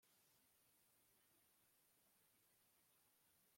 Akiziritse ku muhoro gasiga kawuciye.